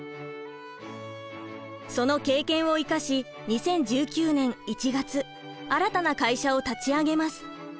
その経験を生かし２０１９年１月新たな会社を立ち上げます。